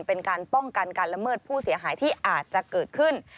เป็นการป้องกันการละเมิดผู้เสียหายที่อาจจะเกิดขึ้น